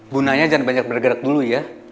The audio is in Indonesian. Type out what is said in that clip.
bu nanya jangan banyak bergerak dulu ya